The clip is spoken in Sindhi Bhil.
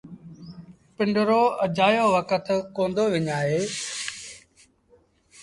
پنڊرو اَجآيو وکت ڪونا دو وڃآئي